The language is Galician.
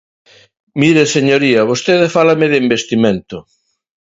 Mire, señoría, vostede fálame de investimento.